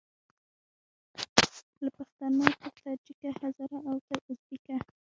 له پښتونه تر تاجیکه هزاره او تر اوزبیکه